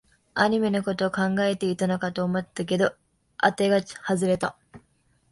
アニメのことを考えていたのかと思ったけど、あてが外れた